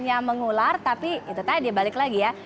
hanya mengular tapi itu tadi balik lagi ya